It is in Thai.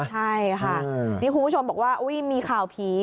ใช่ค่ะคุณผู้ชมบอกว่าอุ๊ยมีข่าวผี